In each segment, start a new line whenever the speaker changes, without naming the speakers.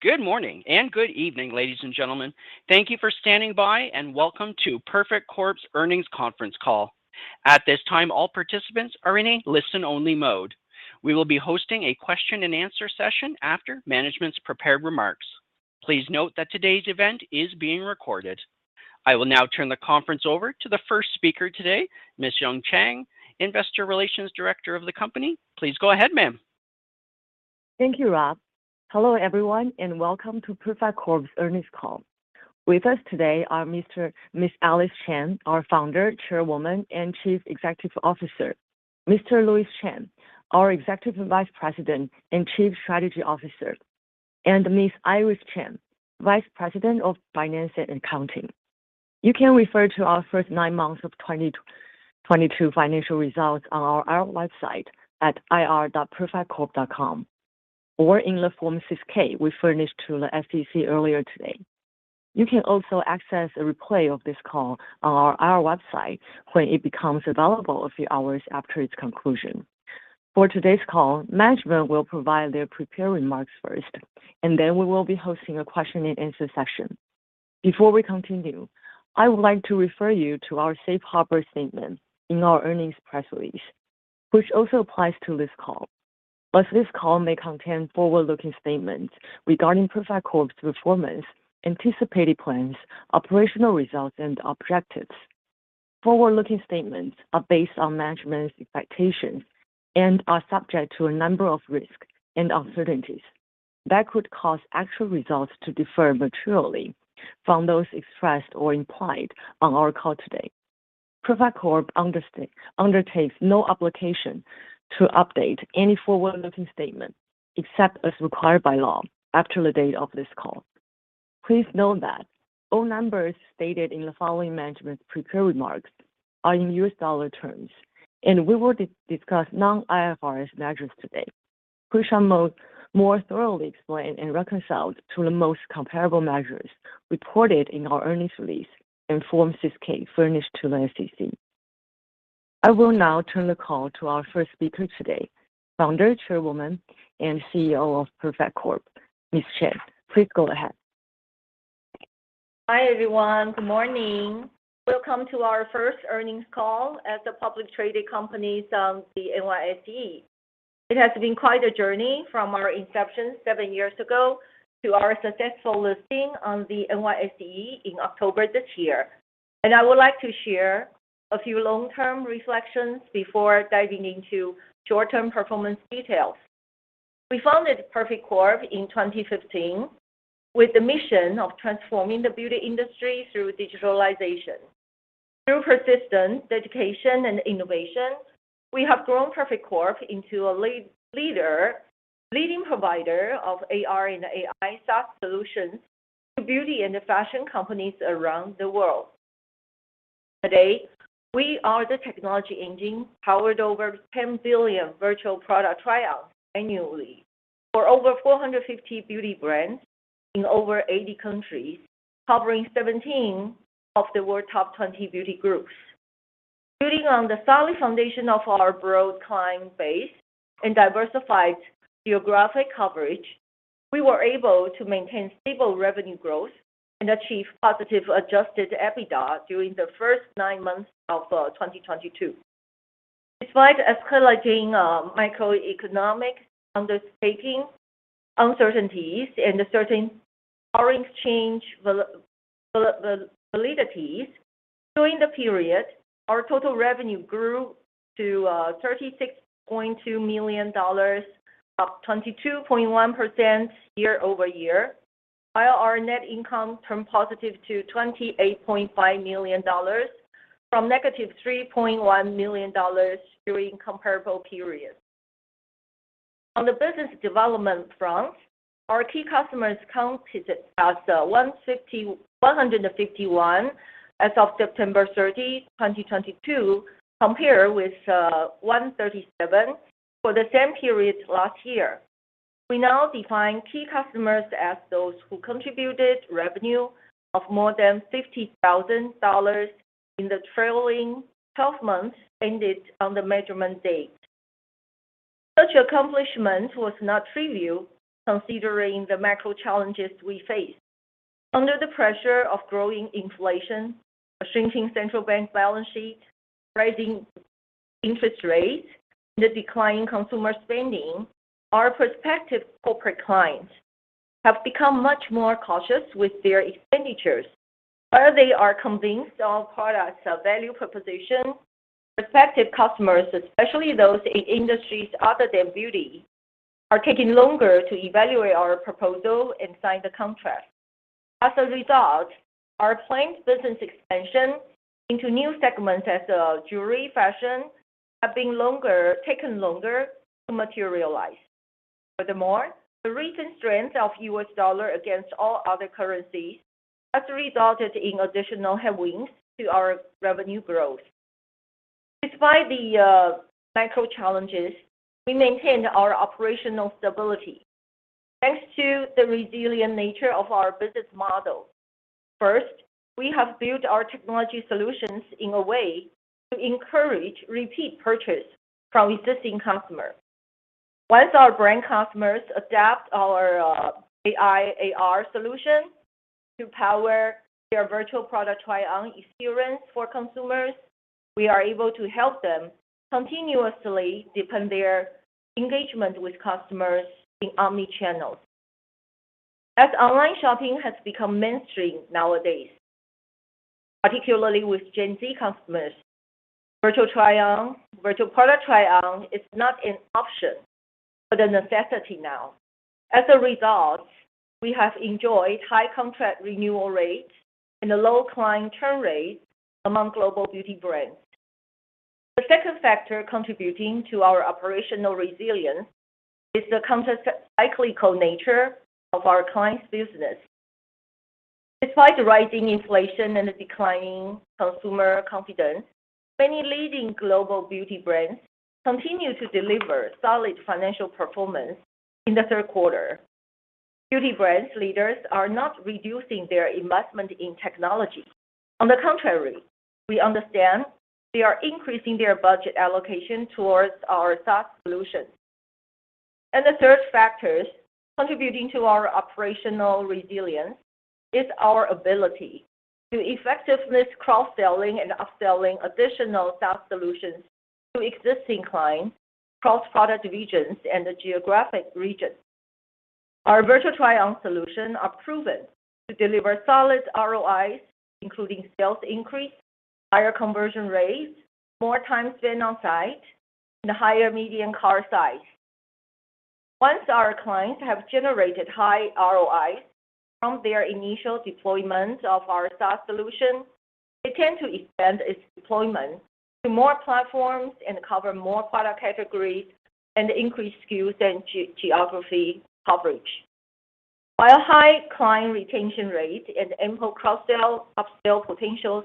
Good morning and good evening, ladies and gentlemen. Thank you for standing by, and welcome to Perfect Corp's earnings conference call. At this time, all participants are in a listen-only mode. We will be hosting a question and answer session after management's prepared remarks. Please note that today's event is being recorded. I will now turn the conference over to the first speaker today, Ms. Jung Chang, Investor Relations Director of the company. Please go ahead, ma'am.
Thank you, Rob. Hello, everyone, and welcome to Perfect Corp.'s earnings call. With us today are Ms. Alice Chang, our Founder, Chairwoman, and Chief Executive Officer, Mr. Louis Chen, our Executive Vice President and Chief Strategy Officer, and Ms. Iris Chen, Vice President of Finance and Accounting. You can refer to our first nine months of 2022 financial results on our website at ir.perfectcorp.com or in the Form 6-K we furnished to the SEC earlier today. You can also access a replay of this call on our website when it becomes available a few hours after its conclusion. For today's call, management will provide their prepared remarks first, and then we will be hosting a question and answer session. Before we continue, I would like to refer you to our safe harbor statement in our earnings press release, which also applies to this call. As this call may contain forward-looking statements regarding Perfect Corp.'s performance, anticipated plans, operational results, and objectives. Forward-looking statements are based on management's expectations and are subject to a number of risks and uncertainties that could cause actual results to differ materially from those expressed or implied on our call today. Perfect Corp. undertakes no obligation to update any forward-looking statements except as required by law after the date of this call. Please note that all numbers stated in the following management prepared remarks are in U.S. dollar terms, and we will discuss non-IFRS measures today, which are more thoroughly explained and reconciled to the most comparable measures reported in our earnings release in Form 6-K furnished to the SEC. I will now turn the call to our first speaker today, Founder, Chairwoman, and CEO of Perfect Corp., Ms. Chang. Please go ahead.
Hi, everyone. Good morning. Welcome to our first earnings call as a public traded company on the NYSE. It has been quite a journey from our inception seven years ago to our successful listing on the NYSE in October this year. I would like to share a few long-term reflections before diving into short-term performance details. We founded Perfect Corp in 2015 with the mission of transforming the beauty industry through digitalization. Through persistence, dedication, and innovation, we have grown Perfect Corp. Into a leading provider of AR and AI SaaS solutions to beauty and fashion companies around the world. Today, we are the technology engine powering over 10 billion virtual product trials annually for over 450 beauty brands in over 80 countries, covering 17 of the world's top 20 beauty groups. Building on the solid foundation of our broad client base and diversified geographic coverage, we were able to maintain stable revenue growth and achieve positive adjusted EBITDA during the first nine months of 2022. Despite escalating microeconomic understating uncertainties and certain foreign exchange validities during the period, our total revenue grew to $36.2 million, up 22.1% year-over-year, while our net income turned +$28.5 million from -$3.1 million during comparable periods. On the business development front, our key customers counted as 151 as of September 30, 2022, compared with 137 for the same period last year. We now define key customers as those who contributed revenue of more than $50,000 in the trailing 12 months ended on the measurement date. Such accomplishment was not trivial considering the macro challenges we face. Under the pressure of growing inflation, a shrinking central bank balance sheet, rising interest rates, and the decline in consumer spending, our prospective corporate clients have become much more cautious with their expenditures. While they are convinced of our products' value proposition, prospective customers, especially those in industries other than beauty, are taking longer to evaluate our proposal and sign the contract. As a result, our planned business expansion into new segments as jewelry, fashion, taken longer to materialize. Furthermore, the recent strength of U.S. dollar against all other currencies has resulted in additional headwinds to our revenue growth. Despite the macro challenges, we maintained our operational stability. Thanks to the resilient nature of our business model. First, we have built our technology solutions in a way to encourage repeat purchase from existing customers. Once our brand customers adopt our AI, AR solution to power their virtual product try-on experience for consumers, we are able to help them continuously deepen their engagement with customers in omnichannels. As online shopping has become mainstream nowadays, particularly with Gen Z customers, virtual try-on, virtual product try-on is not an option, but a necessity now. As a result, we have enjoyed high contract renewal rates and a low client churn rate among global beauty brands. The second factor contributing to our operational resilience is the counter-cyclical nature of our clients' business. Despite the rising inflation and the declining consumer confidence, many leading global beauty brands continue to deliver solid financial performance in the third quarter. Beauty brands leaders are not reducing their investment in technology. On the contrary, we understand they are increasing their budget allocation towards our SaaS solutions. The third factors contributing to our operational resilience is our ability to effectiveness cross-selling and upselling additional SaaS solutions to existing clients across product divisions and the geographic regions. Our virtual try-on solution are proven to deliver solid ROI, including sales increase, higher conversion rates, more time spent on site, and higher median cart size. Once our clients have generated high ROI from their initial deployment of our SaaS solution, they tend to expand its deployment to more platforms and cover more product categories and increase SKUs and geography coverage. While high client retention rate and ample cross-sell, upsell potentials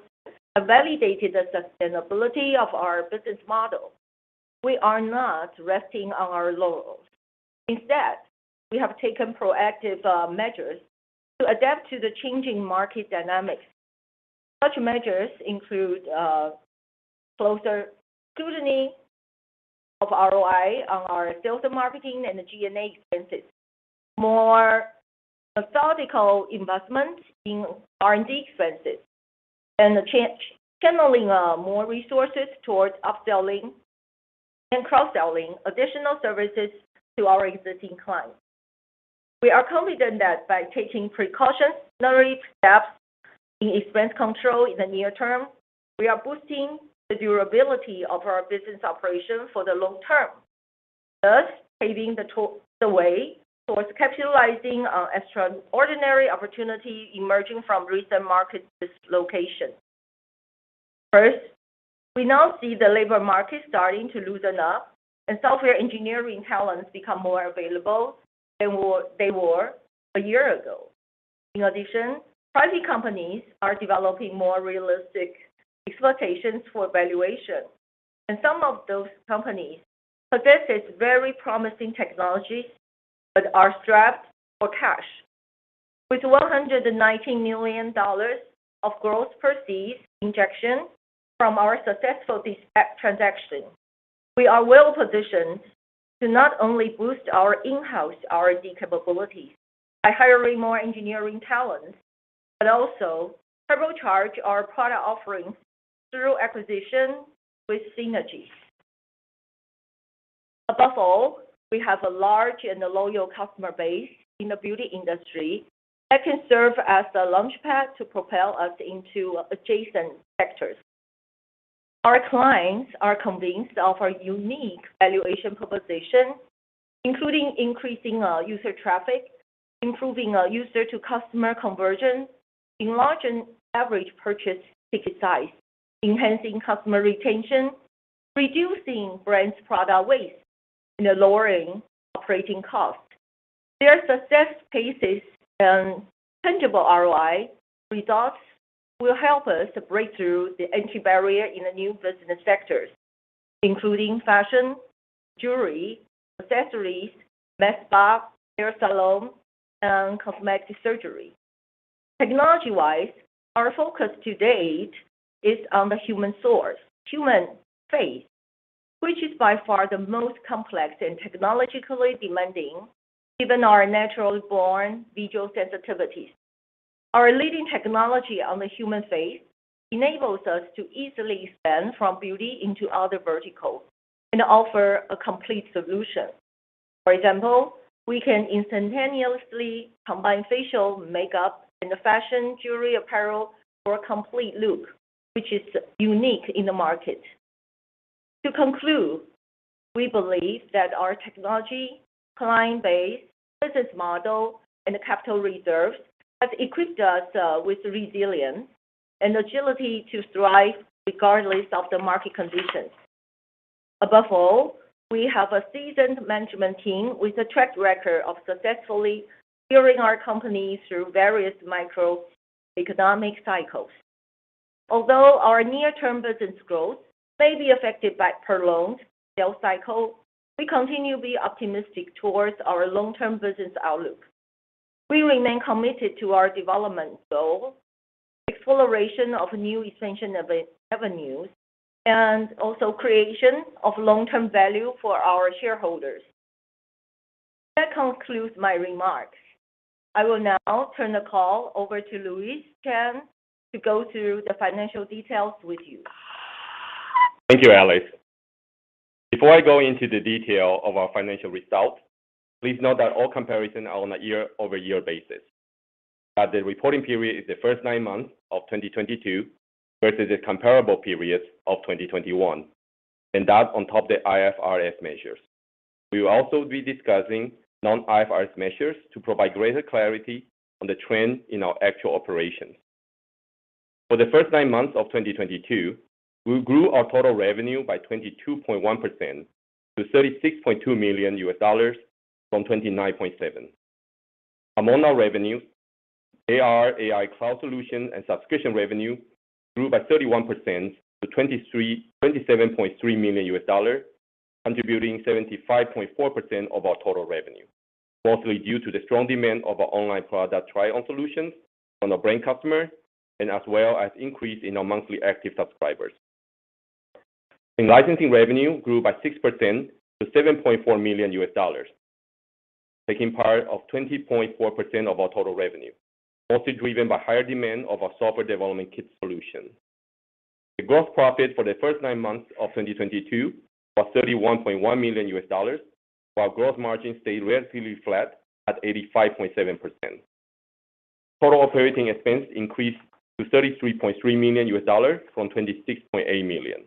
have validated the sustainability of our business model, we are not resting on our laurels. Instead, we have taken proactive measures to adapt to the changing market dynamics. Such measures include closer scrutiny of ROI on our sales and marketing and the G&A expenses, more methodical investment in R&D expenses, and channeling more resources towards upselling and cross-selling additional services to our existing clients. We are confident that by taking precautionary steps in expense control in the near term, we are boosting the durability of our business operation for the long term, thus paving the way towards capitalizing on extraordinary opportunity emerging from recent market dislocation. First, we now see the labor market starting to loosen up and software engineering talents become more available than what they were a year ago. In addition, private companies are developing more realistic expectations for valuation, and some of those companies possess very promising technologies but are strapped for cash. With $119 million of gross proceeds injection from our successful de-SPAC transaction, we are well-positioned to not only boost our in-house R&D capabilities by hiring more engineering talent, but also turbocharge our product offerings through acquisition with synergies. Above all, we have a large and a loyal customer base in the beauty industry that can serve as the launchpad to propel us into adjacent sectors. Our clients are convinced of our unique valuation proposition, including increasing user traffic, improving user-to-customer conversion, enlarging average purchase ticket size, enhancing customer retention, reducing brand's product waste, and lowering operating costs. Their success cases and tangible ROI results will help us to break through the entry barrier in the new business sectors, including fashion, jewelry, accessories, med spa, hair salon, and cosmetic surgery. Technology-wise, our focus to date is on the human source, human face, which is by far the most complex and technologically demanding, given our naturally born visual sensitivities. Our leading technology on the human face enables us to easily expand from beauty into other verticals and offer a complete solution. For example, we can instantaneously combine facial makeup and fashion, jewelry, apparel for a complete look, which is unique in the market. To conclude, we believe that our technology, client base, business model, and capital reserves have equipped us with resilience and agility to thrive regardless of the market conditions. Above all, we have a seasoned management team with a track record of successfully steering our company through various macroeconomic cycles. Although our near-term business growth may be affected by prolonged sales cycle, we continue to be optimistic towards our long-term business outlook. We remain committed to our development goal, exploration of new expansion avenues, also creation of long-term value for our shareholders. That concludes my remarks. I will now turn the call over to Louis Chen to go through the financial details with you.
Thank you, Alice. Before I go into the detail of our financial results, please note that all comparison are on a year-over-year basis, that the reporting period is the first nine months of 2022 versus the comparable periods of 2021, and that on top the IFRS measures. We will also be discussing non-IFRS measures to provide greater clarity on the trend in our actual operations. For the first nine months of 2022, we grew our total revenue by 22.1% to $36.2 million from $29.7 million. Among our revenue, AR/AI cloud solution and subscription revenue grew by 31% to $27.3 million, contributing 75.4% of our total revenue, mostly due to the strong demand of our online product trial solutions from the brand customer and as well as increase in our monthly active subscribers. Licensing revenue grew by 6% to $7.4 million, taking part of 20.4% of our total revenue, mostly driven by higher demand of our software development kit solution. The gross profit for the first nine months of 2022 was $31.1 million, while gross margin stayed relatively flat at 85.7%. Total operating expense increased to $33.3 million from $26.8 million.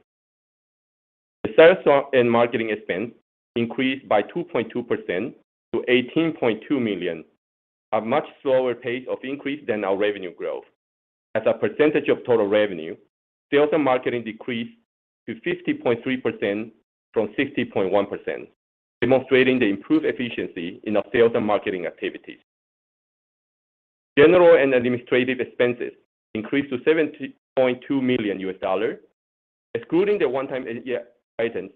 The sales and marketing expense increased by 2.2% to $18.2 million, a much slower pace of increase than our revenue growth. As a percentage of total revenue, sales and marketing decreased to 50.3% from 60.1%, demonstrating the improved efficiency in our sales and marketing activities. General and administrative expenses increased to $7.2 million. Excluding the one-time items,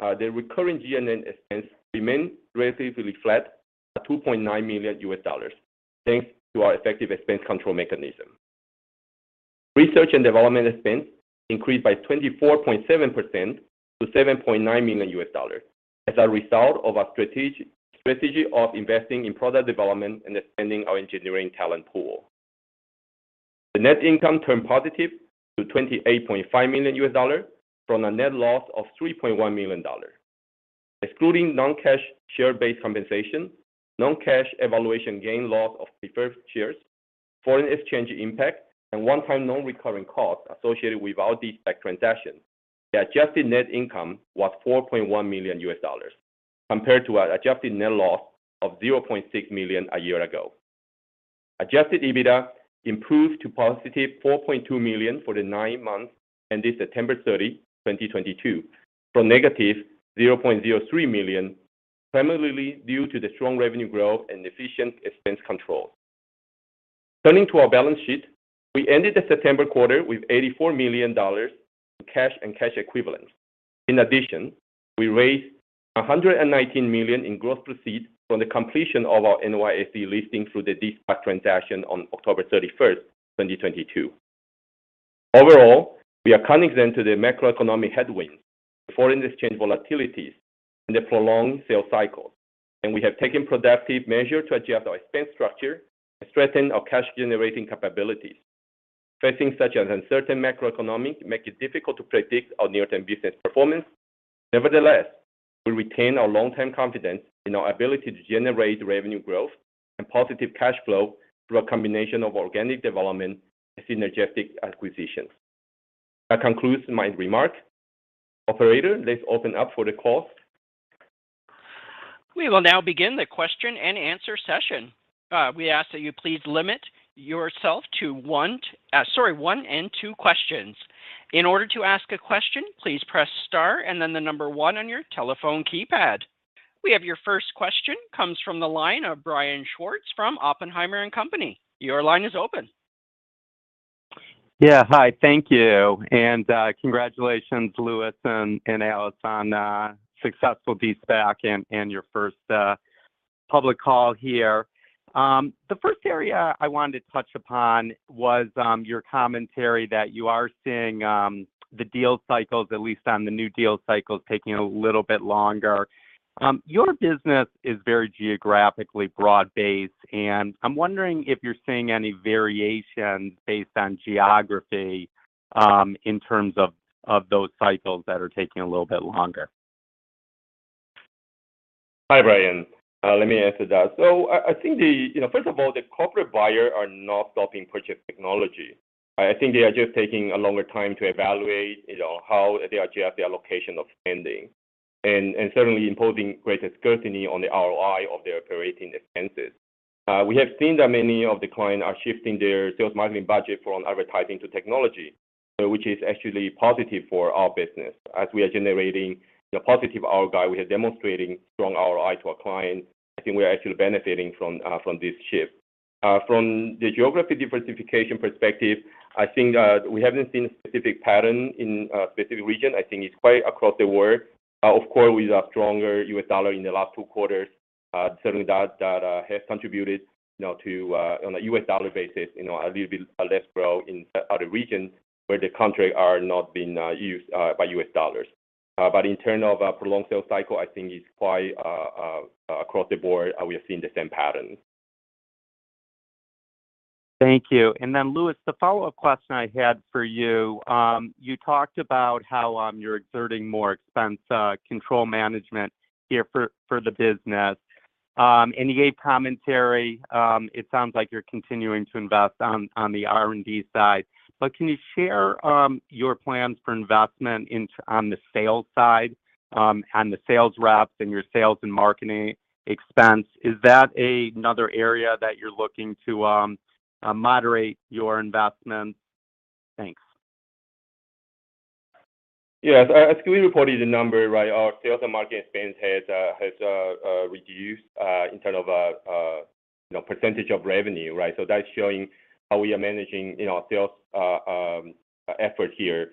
the recurring G&A expense remained relatively flat at $2.9 million, thanks to our effective expense control mechanism. Research and development expense increased by 24.7% to $7.9 million as a result of our strategy of investing in product development and expanding our engineering talent pool. The net income turned positive to $28.5 million from a net loss of $3.1 million. Excluding non-cash share-based compensation, non-cash evaluation gain loss of preferred shares, foreign exchange impact, and one-time non-recurring costs associated with our de-SPAC transaction, the adjusted net income was $4.1 million compared to our adjusted net loss of $0.6 million a year ago. Adjusted EBITDA improved to +$4.2 million for the nine months ended September 30, 2022, from -$0.03 million, primarily due to the strong revenue growth and efficient expense control. Turning to our balance sheet, we ended the September quarter with $84 million in cash and cash equivalents. We raised $119 million in gross proceeds from the completion of our NYSE listing through the de-SPAC transaction on October 31st, 2022. Overall, we are cognizant to the macroeconomic headwinds, foreign exchange volatilities, and the prolonged sales cycle, and we have taken productive measures to adjust our expense structure and strengthen our cash-generating capabilities. Facing such an uncertain macroeconomic makes it difficult to predict our near-term business performance. Nevertheless, we retain our long-term confidence in our ability to generate revenue growth and positive cash flow through a combination of organic development and synergistic acquisitions. That concludes my remarks. Operator, let's open up for the call.
We will now begin the question-and-answer session. We ask that you please limit yourself to one and two questions. In order to ask a question, please press star and then the number one on your telephone keypad. We have your first question comes from the line of Brian Schwartz from Oppenheimer & Co. Your line is open.
Yeah. Hi, thank you. Congratulations, Louis and Alice on successful de-SPAC and your first public call here. The first area I wanted to touch upon was your commentary that you are seeing the deal cycles, at least on the new deal cycles, taking a little bit longer. Your business is very geographically broad-based. I'm wondering if you're seeing any variation based on geography in terms of those cycles that are taking a little bit longer.
Hi, Brian. Let me answer that. I think, you know, first of all, the corporate buyer are not stopping purchase technology. I think they are just taking a longer time to evaluate, you know, how they adjust their allocation of spending and certainly imposing greater scrutiny on the ROI of their operating expenses. We have seen that many of the clients are shifting their sales marketing budget from advertising to technology, which is actually positive for our business. As we are generating the positive ROI, we are demonstrating strong ROI to our clients. I think we are actually benefiting from this shift. From the geographic diversification perspective, I think, we haven't seen specific pattern in a specific region. I think it's quite across the world. Of course, with a stronger U.S. dollar in the last two quarters, certainly that has contributed, you know, to on a U.S. dollar basis, you know, a little bit less growth in other regions where the countries are not being used by U.S. dollars. In terms of a prolonged sales cycle, I think it's quite across the board, we are seeing the same pattern.
Thank you. Louis, the follow-up question I had for you talked about how you're exerting more expense control management here for the business. In the A commentary, it sounds like you're continuing to invest on the R&D side. Can you share your plans for investment on the sales side, and the sales reps and your sales and marketing expense? Is that another area that you're looking to moderate your investment? Thanks.
Yes. As we reported the number, right, our sales and marketing expense has reduced in terms of, you know, percentage of revenue, right? That's showing how we are managing, you know, our sales effort here.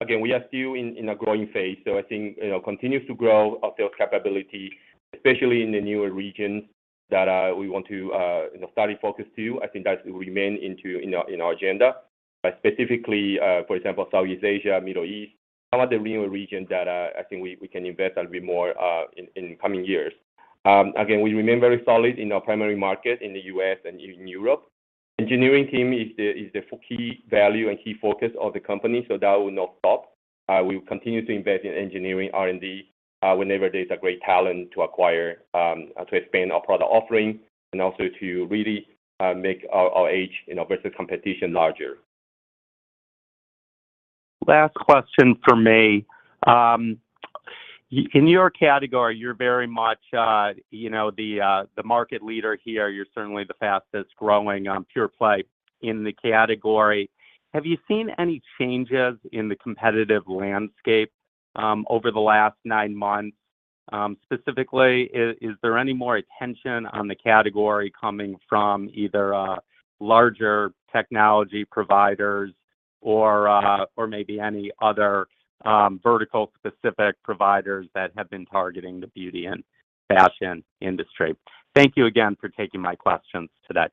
Again, we are still in a growing phase. I think, you know, continues to grow our sales capability, especially in the newer regions that we want to, you know, study focus to. I think that will remain in our agenda. Specifically, for example, Southeast Asia, Middle East, some of the newer region that I think we can invest a little bit more in coming years. Again, we remain very solid in our primary market in the U.S. and in Europe. Engineering team is the key value and key focus of the company. That will not stop. We will continue to invest in engineering R&D, whenever there's a great talent to acquire, to expand our product offering and also to really make our edge, you know, versus competition larger.
Last question for me. In your category, you're very much, you know, the market leader here. You're certainly the fastest-growing, pure play in the category. Have you seen any changes in the competitive landscape, over the last nine months? Specifically, is there any more attention on the category coming from either, larger technology providers or maybe any other, vertical specific providers that have been targeting the beauty and fashion industry? Thank you again for taking my questions today.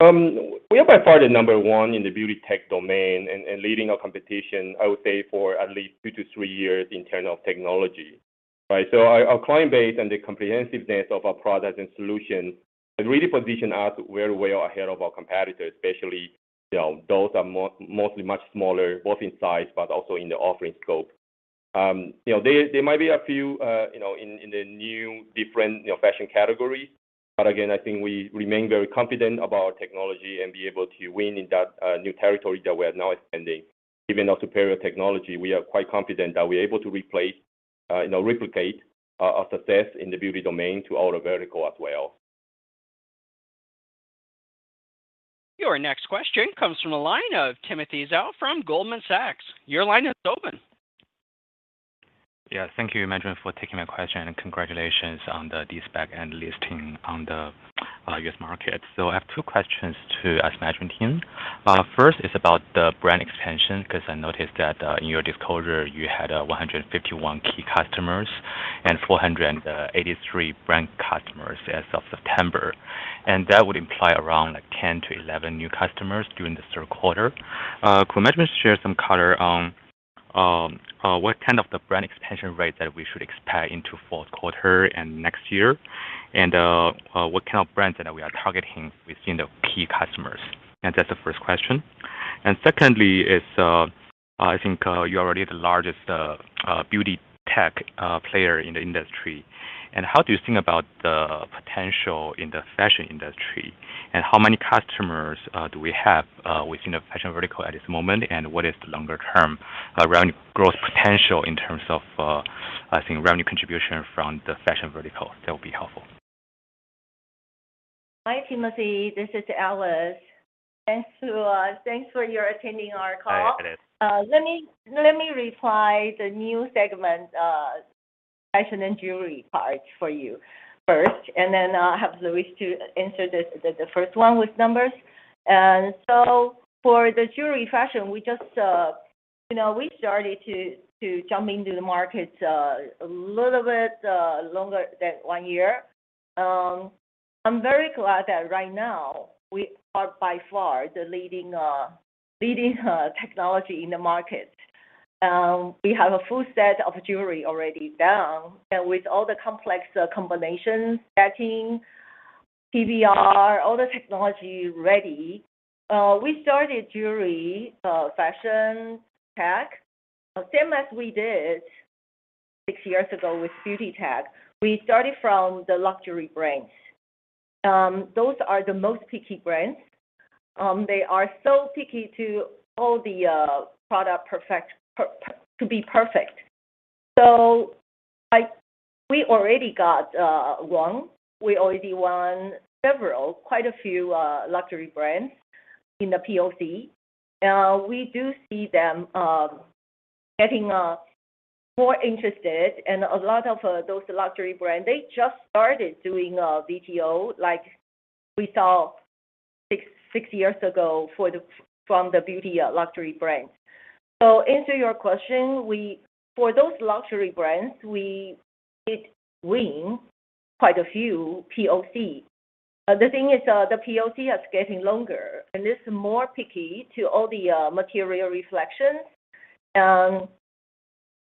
We are by far the number one in the beauty tech domain and leading our competition, I would say for at least two to three years in terms of technology, right? Our client base and the comprehensiveness of our products and solutions has really positioned us well, well ahead of our competitors, especially, you know, those are mostly much smaller, both in size, but also in the offering scope. You know, there might be a few, you know, in the new different, you know, fashion categories. Again, I think we remain very confident about our technology and be able to win in that new territory that we are now expanding. Given our superior technology, we are quite confident that we're able to replace, you know, replicate our success in the beauty domain to other vertical as well.
Your next question comes from the line of Timothy Zhao from Goldman Sachs. Your line is open.
Thank you, management for taking my question, and congratulations on the de-SPAC and listing on the U.S. market. I have two questions to ask management team. First is about the brand expansion, because I noticed that in your disclosure, you had 151 key customers and 483 brand customers as of September. That would imply around, like, 10-11 new customers during the third quarter. Could management share some color on what kind of the brand expansion rate that we should expect into fourth quarter and next year? What kind of brands that we are targeting within the key customers? That's the first question. Secondly is, I think, you're already the largest beauty tech player in the industry. How do you think about the potential in the fashion industry, and how many customers do we have within the fashion vertical at this moment, and what is the longer term revenue growth potential in terms of I think revenue contribution from the fashion vertical? That would be helpful.
Hi, Timothy. This is Alice. Thanks for your attending our call.
Hi, Alice.
Let me reply the new segment, fashion and jewelry part for you first, and then I'll have Louis to answer the first one with numbers. For the jewelry fashion, we just, you know, we started to jump into the market a little bit longer than one year. I'm very glad that right now we are by far the leading technology in the market. We have a full set of jewelry already done. With all the complex combinations, setting, PBR, all the technology ready, we started jewelry fashion tech, same as we did six years ago with beauty tech. We started from the luxury brands. Those are the most picky brands. They are so picky to all the product to be perfect. We already won several, quite a few, luxury brands in the POC. We do see them getting more interested and a lot of those luxury brands, they just started doing VTO like we saw six years ago from the beauty luxury brands. Answer your question, for those luxury brands, we did win quite a few POC. The thing is, the POC is getting longer, and it's more picky to all the material reflections.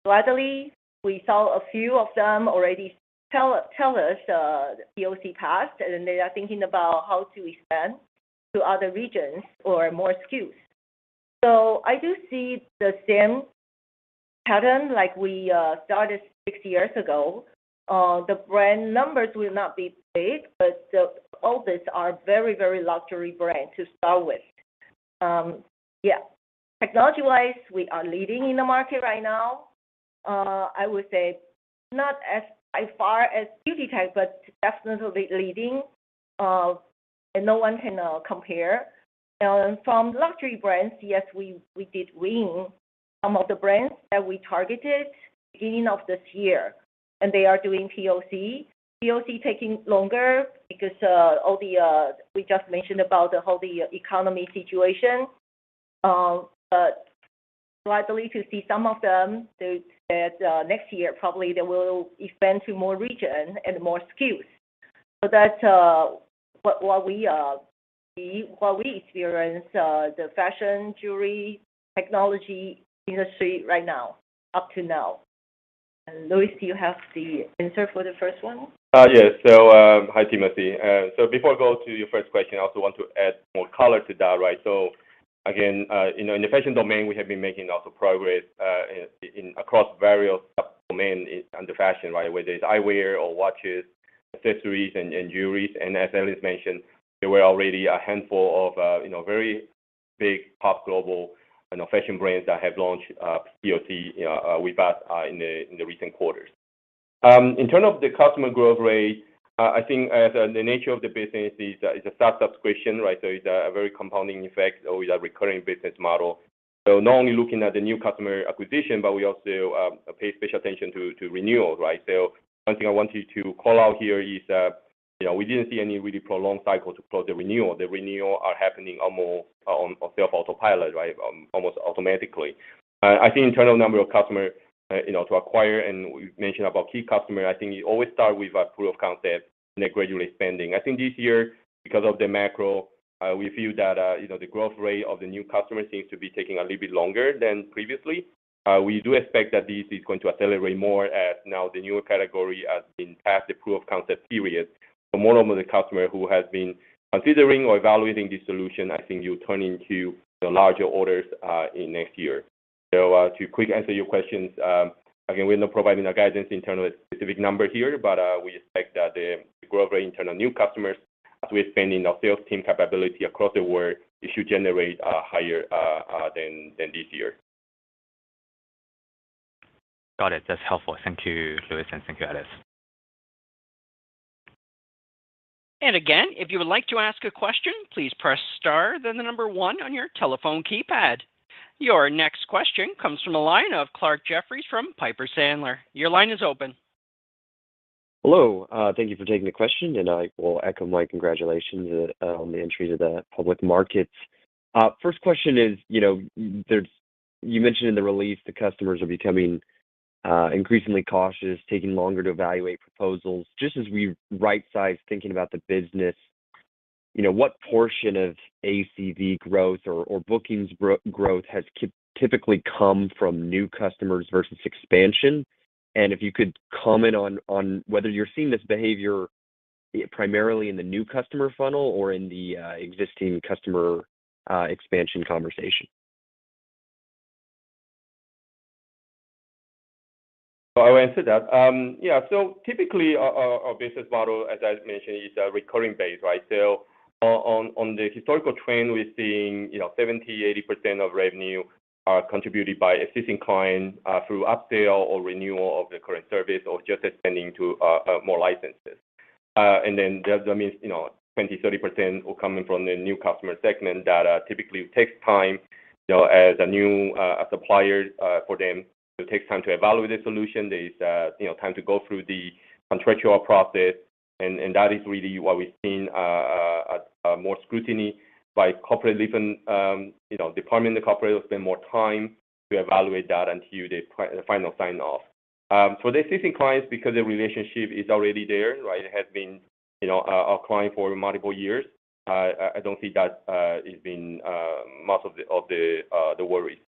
Gradually we saw a few of them already tell us the POC passed, and they are thinking about how to expand to other regions or more SKUs. I do see the same pattern like we started six years ago. The brand numbers will not be big, but all these are very luxury brands to start with. Yeah. Technology-wise, we are leading in the market right now. I would say not as far as beauty tech, but definitely leading, and no one can compare. From luxury brands, yes, we did win some of the brands that we targeted beginning of this year, and they are doing POC. POC taking longer because all the, we just mentioned about the whole, the economy situation. I believe to see some of them that next year probably they will expand to more region and more SKUs. That's what we see, what we experience, the fashion, jewelry, technology industry right now, up to now. Louis, do you have the answer for the first one?
Yes. Hi, Timothy. Before I go to your first question, I also want to add more color to that, right? Again, you know, in the fashion domain, we have been making also progress in across various sub-domain in under fashion, right? Whether it's eyewear or watches, accessories and jewelries. And as Alice mentioned, there were already a handful of, you know, very big top global, you know, fashion brands that have launched POC with us in the recent quarters. In terms of the customer growth rate, I think as the nature of the business is a sub-subscription, right? It's a very compounding effect with a recurring business model. Not only looking at the new customer acquisition, but we also pay special attention to renewal, right? One thing I want you to call out here is, you know, we didn't see any really prolonged cycle to close the renewal. The renewal are happening almost on sales autopilot, right? Almost automatically. I think internal number of customer, you know, to acquire and we mentioned about key customer, I think you always start with a proof of concept and gradually spending. I think this year because of the macro, we feel that, you know, the growth rate of the new customer seems to be taking a little bit longer than previously. We do expect that this is going to accelerate more as now the newer category has been passed the proof of concept period. More and more the customer who has been considering or evaluating the solution, I think will turn into, you know, larger orders in next year. To quick answer your questions, again, we're not providing a guidance in terms of a specific number here, but we expect that the growth rate in terms of new customers as we expand in our sales team capability across the world, it should generate higher than this year.
Got it. That's helpful. Thank you, Louis, and thank you, Alice.
Again, if you would like to ask a question, please press star, then the number one on your telephone keypad. Your next question comes from the line of Clarke Jeffries from Piper Sandler. Your line is open.
Hello. Thank you for taking the question, I will echo my congratulations on the entry to the public markets. First question is, you know, you mentioned in the release the customers are becoming increasingly cautious, taking longer to evaluate proposals. Just as we right-size thinking about the business, you know, what portion of ACV growth or bookings growth has typically come from new customers versus expansion? If you could comment on whether you're seeing this behavior primarily in the new customer funnel or in the existing customer expansion conversation?
I will answer that. Yeah. Typically our business model, as I mentioned, is recurring base, right? On the historical trend, we're seeing, you know, 70%-80% of revenue are contributed by existing clients, through upsell or renewal of the current service or just expanding to more licenses. Then that means, you know, 20%-30% will come in from the new customer segment that typically takes time, you know, as a new supplier for them. It takes time to evaluate the solution. There is, you know, time to go through the contractual process, and that is really what we've seen more scrutiny by corporate, even department in the corporate will spend more time to evaluate that until the final sign off. For the existing clients, because the relationship is already there, right? It has been, you know, our client for multiple years. I don't think that has been most of the worries.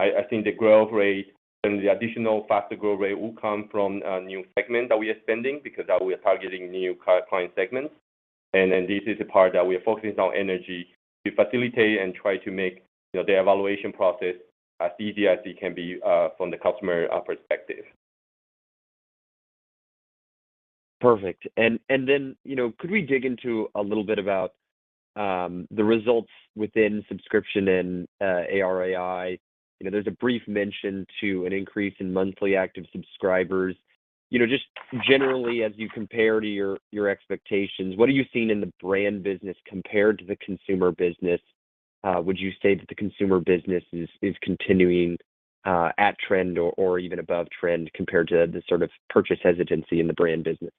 I think the growth rate and the additional faster growth rate will come from a new segment that we are spending because we are targeting new client segments. This is the part that we are focusing our energy to facilitate and try to make, you know, the evaluation process as easy as it can be, from the customer, perspective.
Perfect. Then, you know, could we dig into a little bit about the results within subscription and AR/AI? You know, there's a brief mention to an increase in monthly active subscribers. You know, just generally as you compare to your expectations, what are you seeing in the brand business compared to the consumer business? Would you say that the consumer business is continuing at trend or even above trend compared to the sort of purchase hesitancy in the brand business?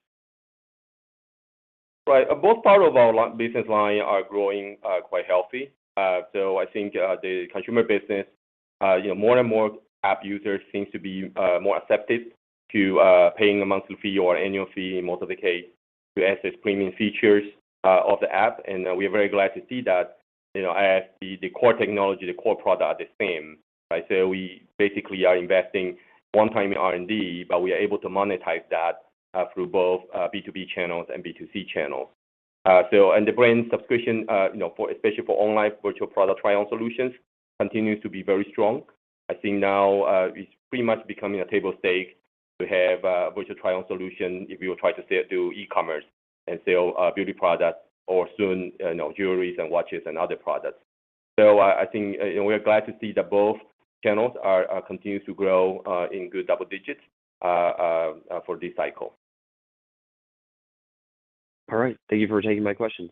Right. Both part of our business line are growing quite healthy. I think the consumer business, you know, more and more app users seems to be more accepted to paying a monthly fee or annual fee in most of the case to access premium features of the app. We are very glad to see that, you know, as the core technology, the core product are the same, right? We basically are investing one time in R&D, but we are able to monetize that through both B2B channels and B2C channels. The brand subscription, you know, for, especially for online virtual product trial solutions continues to be very strong. I think now, it's pretty much becoming a table stake to have virtual trial solution if you try to sell through e-commerce and sell beauty products or soon, you know, jewelries and watches and other products. I think. We're glad to see that both channels are continues to grow in good double digits for this cycle.
All right. Thank you for taking my questions.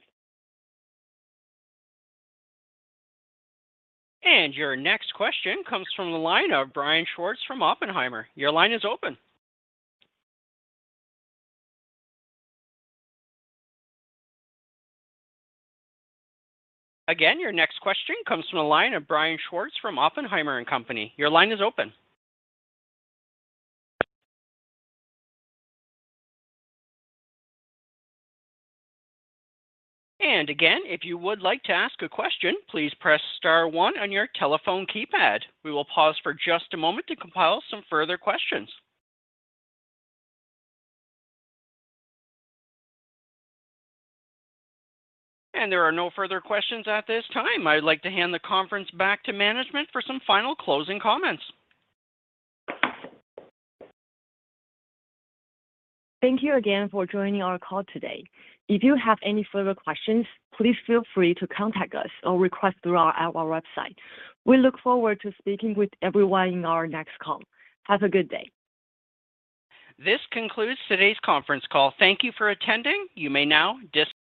Your next question comes from the line of Brian Schwartz from Oppenheimer. Your line is open. Your next question comes from the line of Brian Schwartz from Oppenheimer & Co. Your line is open. Again, if you would like to ask a question, please press star one on your telephone keypad. We will pause for just a moment to compile some further questions. There are no further questions at this time. I'd like to hand the conference back to management for some final closing comments.
Thank you again for joining our call today. If you have any further questions, please feel free to contact us or request through our website. We look forward to speaking with everyone in our next call. Have a good day.
This concludes today's conference call. Thank you for attending. You may now disconnect.